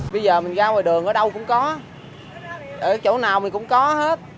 bây giờ mình ra ngoài đường ở đâu cũng có ở chỗ nào mình cũng có hết